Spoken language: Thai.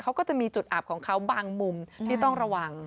เขาก็จะมีจุดอับของเขาบางมุมที่ต้องระวัง